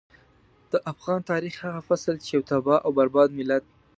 د افغان تاريخ هغه فصل چې يو تباه او برباد ملت.